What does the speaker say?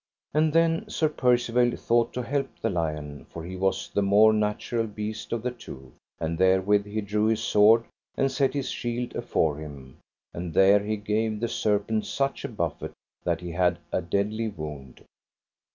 And then Sir Percivale thought to help the lion, for he was the more natural beast of the two; and therewith he drew his sword, and set his shield afore him, and there he gave the serpent such a buffet that he had a deadly wound.